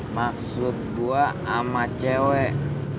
maksud gua ama cewek